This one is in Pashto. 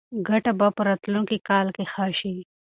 ګټه به په راتلونکي کال کې ښه شي.